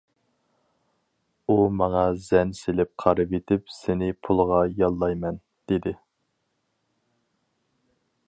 ئۇ ماڭا زەن سېلىپ قارىۋېتىپ: «سېنى پۇلغا ياللايمەن» دېدى.